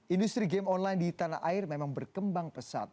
industri game online di tanah air memang berkembang pesat